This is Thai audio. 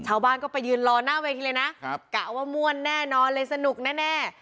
ชาวบ้านก็ไปยืนรอหน้าเวทีเลยนะกะว่าม่วนแน่นอนเลยสนุกแน่